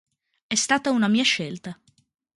È stata una mia scelta.